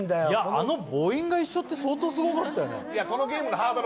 あの母音が一緒って相当スゴかったよね。